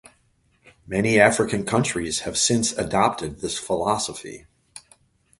Many African countries have since adopted this philosophy.